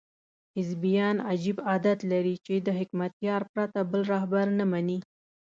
حزبیان عجیب عادت لري چې د حکمتیار پرته بل رهبر نه مني.